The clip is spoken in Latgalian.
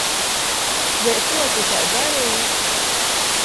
Deļkuo tu tai dareji?